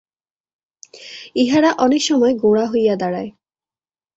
ইহারা অনেক সময় গোঁড়া হইয়া দাঁড়ায়।